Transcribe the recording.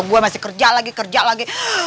gue masih kerja lagi kerja lagi